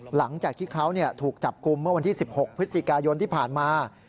หลังจากที่เขาถูกจับกลุ่มเมื่อวันที่๑๖พฤศจิกายนที่ผ่านมา